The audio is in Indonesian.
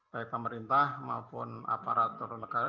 baik pemerintah maupun aparat turun negara